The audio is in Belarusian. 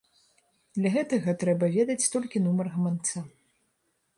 Для гэтага трэба ведаць толькі нумар гаманца.